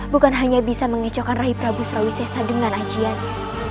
bukan hanya bisa mengecokkan raih prabu sarawisesa dengan ajiannya